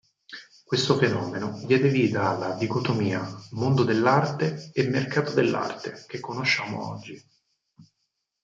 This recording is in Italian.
Questo fenomeno diede vita alla dicotomia mondo dell'arte e mercato dell'arte che conosciamo oggi.